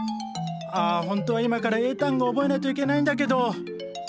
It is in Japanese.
ああほんとは今から英単語を覚えないといけないんだけど。